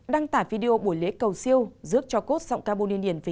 đăng tải video buổi lễ cầu siêu rước cho cốt sọng cao